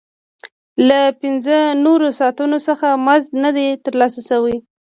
له پنځه نورو ساعتونو څخه مزد نه دی ترلاسه شوی